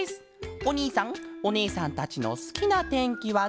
おにいさんおねえさんたちのすきなてんきはなんですか？」。